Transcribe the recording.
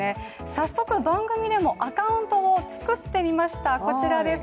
早速番組でもアカウントを作ってみました、こちらです。